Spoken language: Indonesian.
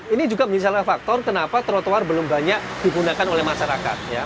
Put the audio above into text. ini juga menjadi salah faktor kenapa trotoar belum banyak digunakan oleh masyarakat